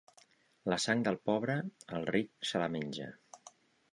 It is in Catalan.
La sang del pobre, el ric se la menja.